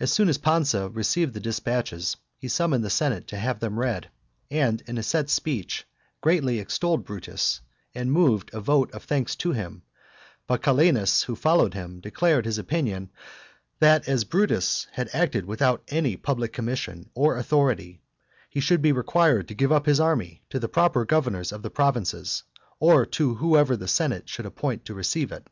As soon as Pansa received the despatches, he summoned the senate to have them read, and in a set speech greatly extolled Brutus, and moved a vote of thanks to him but Calenus, who followed him, declared his opinion, that as Brutus had acted without any public commission or authority he should be required to give up his army to the proper governors of the provinces, or to whoever the senate should appoint to receive it.